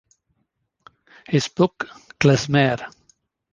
His book Klezmer!